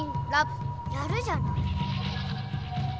やるじゃない。